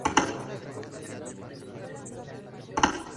Bonnie regresó a casa de sus abuelos y nunca se volvieron a ver.